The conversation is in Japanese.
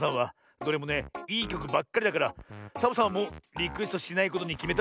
どれもねいいきょくばっかりだからサボさんはもうリクエストしないことにきめたんだ。